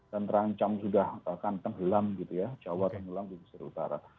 dan terancam sudah akan tenggelam gitu ya jawa tenggelam di pesisir utara